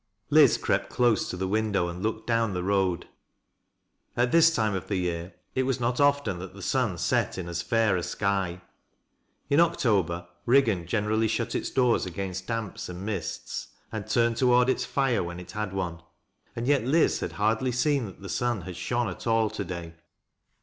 Liz crept close to the window and lookod down tLe road At this time of the year it was not often that the sun sot in as fair a sky. In October, Eiggan generally shut its doors against damps and mist, and turned toward its fire when it had one. And yet Liz had hardly seen that the Bun had shone at all to day.